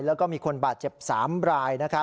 แล้วก็มีคนบาดเจ็บ๓ราย